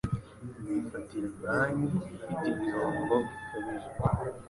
bifatirwa banki ifite igihombo gikabije